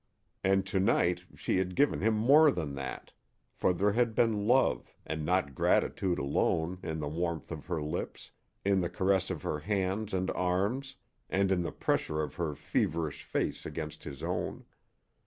And to night she had given him more than that, for there had been love, and not gratitude alone, in the warmth of her lips, in the caress of her hands and arms, and in the pressure of her feverish face against his own.